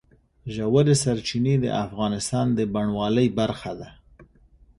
ژورې سرچینې د افغانستان د بڼوالۍ برخه ده.